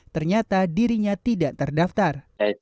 ternyata dirinya tidak terdaftar